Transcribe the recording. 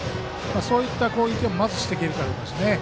そういった攻撃をまずしていけるかですね。